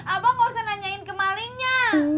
abang gak usah nanyain ke malingnya